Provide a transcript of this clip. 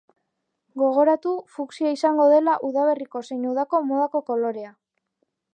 Gogoratu, fuksia izango dela udaberriko zein udako modako kolorea.